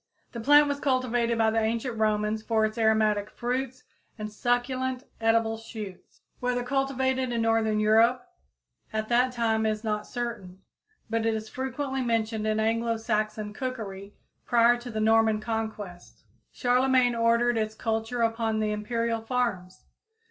The plant was cultivated by the ancient Romans for its aromatic fruits and succulent, edible shoots. Whether cultivated in northern Europe at that time is not certain, but it is frequently mentioned in Anglo Saxon cookery prior to the Norman conquest. Charlemagne ordered its culture upon the imperial farms.